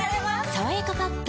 「さわやかパッド」